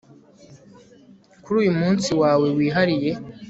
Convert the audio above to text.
Kuri uyu umunsi wawe wihariye